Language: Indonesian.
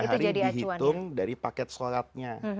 tiga hari dihitung dari paket sholatnya